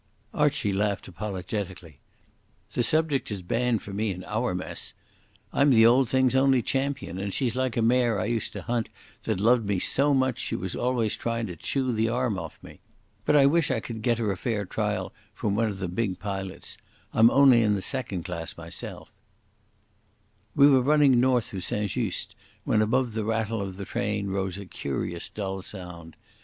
Archie laughed apologetically. "The subject is banned for me in our mess. I'm the old thing's only champion, and she's like a mare I used to hunt that loved me so much she was always tryin' to chew the arm off me. But I wish I could get her a fair trial from one of the big pilots. I'm only in the second class myself after all." We were running north of St Just when above the rattle of the train rose a curious dull sound.